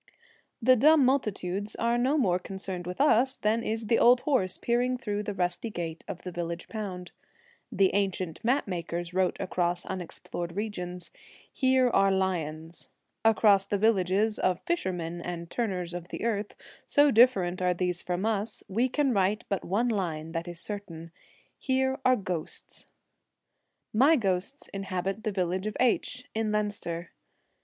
The dumb multitudes are no more concerned with us than is the old horse peering through the rusty gate of the village pound. The ancient map makers wrote across unexplored regions, ' Here are lions.' Across the villages of fisher 23 The men and turners of the earth, so different Celtic . Twilight, are these from us, we can write but one line that is certain, ' Here are ghosts.' My ghosts inhabit the village of H , in Leinster.